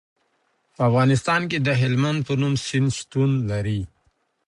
په افغانستان کې د هلمند په نوم سیند شتون لري.